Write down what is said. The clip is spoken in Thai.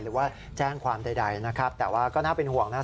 หรือว่าแจ้งความใดนะครับแต่ว่าก็น่าเป็นห่วงนะ